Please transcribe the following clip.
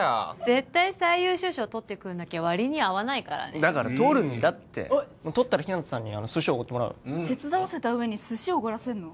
絶対最優秀賞とってくんなきゃ割に合わないからねだからとるんだってとったら日向さんに寿司おごってもらおう手伝わせた上に寿司おごらせんの？